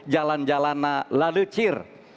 jalan jalan lalu cir